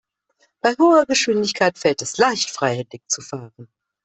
Bei hoher Geschwindigkeit fällt es leicht, freihändig zu fahren.